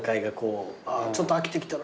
ちょっと飽きてきたな。